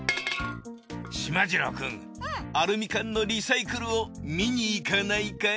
しまじろうくんアルミ缶のリサイクルを見に行かないかい？